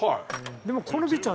でもこのピッチャー